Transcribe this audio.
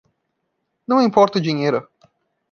Não importa o dinheiro.